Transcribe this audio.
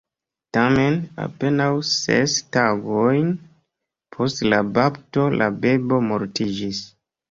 Tamen, apenaŭ ses tagojn post la bapto, la bebo mortiĝis.